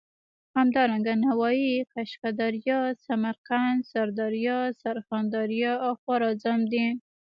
همدارنګه نوايي، قشقه دریا، سمرقند، سردریا، سرخان دریا او خوارزم دي.